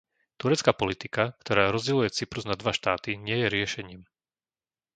Turecká politika, ktorá rozdeľuje Cyprus na dva štáty, nie je riešením.